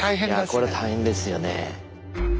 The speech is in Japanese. これ大変ですよね。